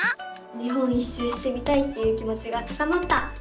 日本一周してみたいっていう気もちが高まった！